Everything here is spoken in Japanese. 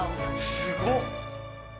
すごっ！